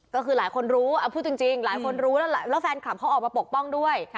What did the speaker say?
ก็คือหลายคนรู้พูดจริงหลายคนรู้แล้วแฟนคลับเขาออกมาปกป้องด้วย